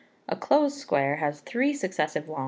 A close square has three successive L's.